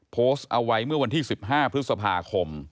โพสต์เอาไว้เมื่อวันที่๑๕พฤษภาคม